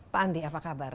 pak andi apa kabar